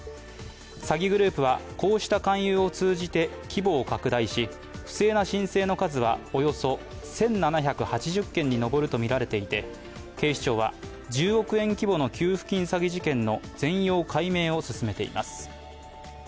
詐欺グループは、こうした勧誘を通じて規模を拡大し不正な申請の数はおよそ１７８０件に上るとみられていて警視庁は１０億円規模の給付金詐欺事件の全容解明を進めています。